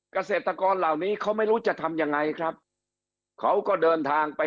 เกษตรกรเหล่านี้เขาไม่รู้จะทำยังไงครับเขาก็เดินทางไป